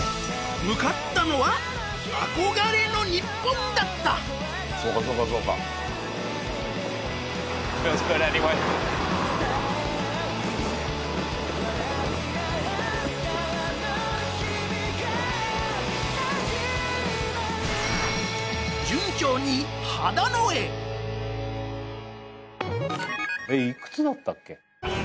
向かったのは憧れの日本だった順調に秦野へいくつだったっけ？